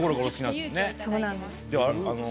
そうなんです。